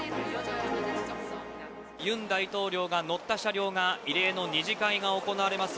ユン大統領が乗った車両が、異例の２次会が行われます